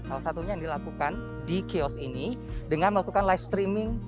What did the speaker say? salah satunya yang dilakukan di kios ini dengan melakukan live streaming